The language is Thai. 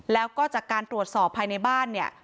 แล้วก็จากการตรวจสอบภายในบ้านเนี่ย